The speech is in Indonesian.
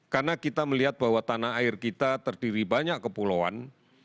karena kita melihat bahwa tanah air kita terdiri banyak kepulauan